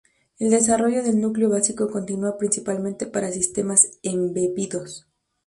El desarrollo del núcleo básico continúa, principalmente para sistemas embebidos.